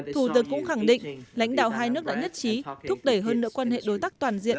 thủ tướng cũng khẳng định lãnh đạo hai nước đã nhất trí thúc đẩy hơn nửa quan hệ đối tác toàn diện